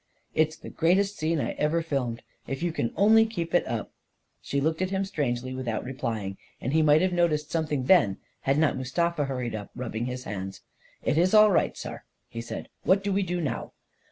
" It's the greatest scene I ever filmed ! If you can only keep it up .•." She looked at him strangely, without replying, and he might have noticed something then, had not Mustafa hurried up, rubbing his hands. 4< It iss all right, saar," he said. " What do we do now